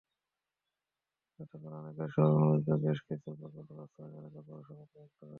গতকালের একনেক সভায় অনুমোদিত বেশ কিছু প্রকল্পের বাস্তবায়ন এলাকা পৌরসভার অন্তর্ভুক্ত রয়েছে।